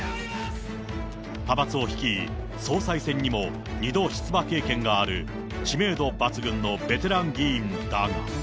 派閥を率い、総裁選にも２度出馬経験がある、知名度抜群のベテラン議員だが。